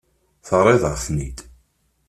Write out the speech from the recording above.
Terriḍ-aɣ-ten-id.